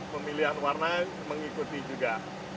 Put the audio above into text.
pemilihan warna mengikuti juga